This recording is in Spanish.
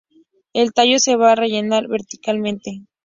El tallo se va a rellenar verticalmente.